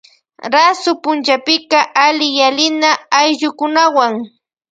Rasu punllapika alliyalina ayllukunawan.